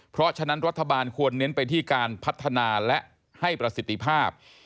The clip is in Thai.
เพราะฉะนั้นรัฐบาลควรเน้นไปที่การพัฒนาและให้ประสิทธิภาพ